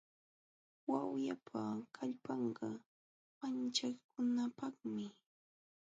Wawyapa kallpanqa manchakunapaqmi.